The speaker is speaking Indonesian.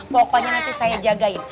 pokoknya nanti saya jagain